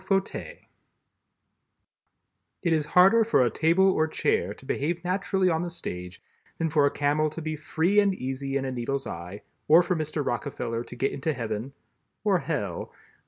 FAUTEUIL It is harder for a table or chair to behave naturally on the stage than for a camel to be free and easy in a needle's eye, or for Mr. Rockefeller to get into Heaven (or Hell?)